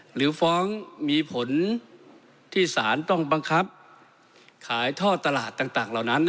หรือฟ้องมีผลที่สารต้องบังคับขายท่อตลาดต่างเหล่านั้น